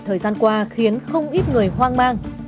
thời gian qua khiến không ít người hoang mang